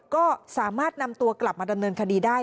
ก็สามารถนำตัวกลับมาดำเนินคดีได้